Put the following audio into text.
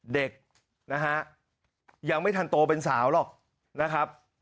เด็กยังไม่ทันโตเป็นสาวหรอก